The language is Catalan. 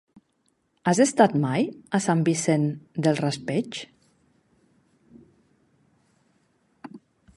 Has estat mai a Sant Vicent del Raspeig?